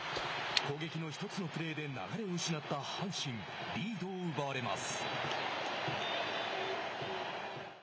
攻撃の１つのプレーで流れを失った阪神リードを奪われます。